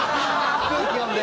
空気読んで？